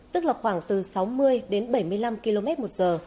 tức là khoảng từ sáu mươi đến bảy mươi năm km một giờ